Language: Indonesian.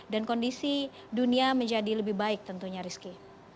dan kondisi dunia menjadi lebih baik tentunya rizky